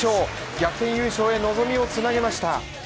逆転優勝へ望みをつなげました。